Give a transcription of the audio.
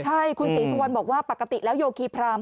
ใช่คุณศรีสุวรรณบอกว่าปกติแล้วโยคีพราม